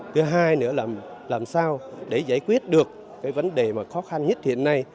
thứ hai nữa là làm sao để giải quyết được cái vấn đề mà khó khăn nhất hiện nay